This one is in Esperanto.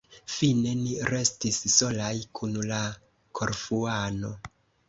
Fine ni restis solaj, kun la Korfuano.